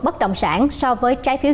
bất động sản so với trái phiếu